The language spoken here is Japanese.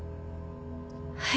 はい。